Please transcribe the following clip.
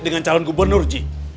dengan calon gubernur ji